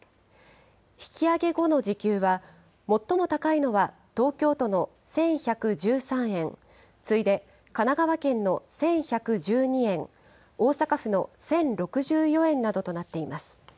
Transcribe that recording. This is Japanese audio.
引き上げ後の時給は、最も高いのは東京都の１１１３円、次いで神奈川県の１１１２円、大阪府の１０６４円などとなっています。